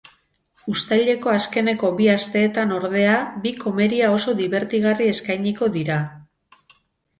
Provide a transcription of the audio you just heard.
Uztaileko azkeneko bi asteetan, ordea, bi komeria oso dibertigarri eskainiko dira.